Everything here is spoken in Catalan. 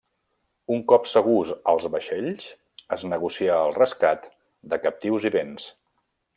Un cop segurs als vaixells, es negocià el rescat de captius i béns.